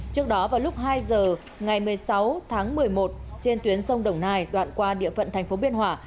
trước đó vào lúc hai giờ ngày một mươi sáu tháng một mươi một trên tuyến sông đồng nai đoạn qua địa phận thành phố biên hòa